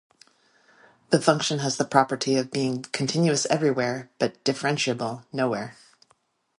The function has the property of being continuous everywhere but differentiable nowhere.